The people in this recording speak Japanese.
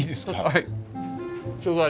はい。